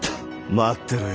待ってろよ